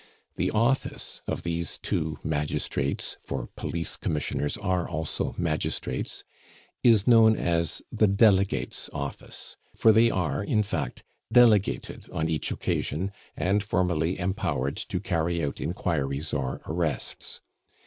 The office of these two magistrates, for police commissioners are also magistrates, is known as the Delegates' office; for they are, in fact, delegated on each occasion, and formally empowered to carry out inquiries or arrests.